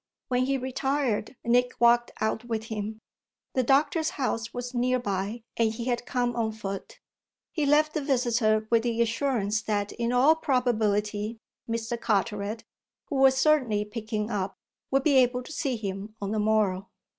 When he retired Nick walked out with him. The doctor's house was near by and he had come on foot. He left the visitor with the assurance that in all probability Mr. Carteret, who was certainly picking up, would be able to see him on the morrow.